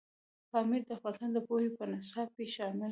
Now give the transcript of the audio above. پامیر د افغانستان د پوهنې په نصاب کې شامل دی.